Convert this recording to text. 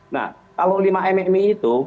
nah kalau lima mmi itu